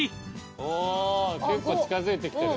お結構近づいてきてる。